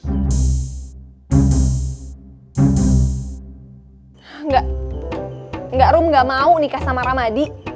hmm enggak rum gak mau nikah sama ramadi